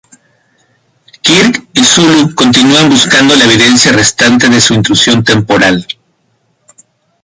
Kirk y Sulu continúan buscando la evidencia restante de su intrusión temporal.